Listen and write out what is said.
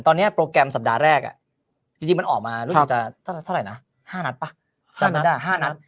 ตอนนี้โปรแกรมสัปดาห์แรกจริงมันออกมารู้สึกจะเท่าไหร่นะ๕นัดป่ะจำกันได้๕นัด